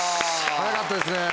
早かったですね。